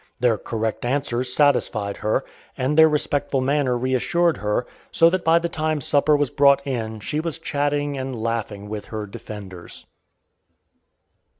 Their correct answers satisfied her, and their respectful manner reassured her, so that by the time supper was brought in she was chatting and laughing with her "defenders."